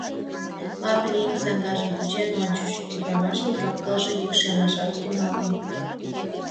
Лап лийын, саҥгажым кучен ончыш: ӱдырамашын капкылже йӱкшемашат тӱҥалын.